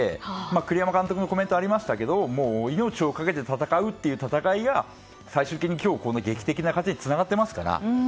栗山監督のコメントがありましたが命をかけて戦うという戦いが最終的に今日の劇的な勝ちにつながってますから。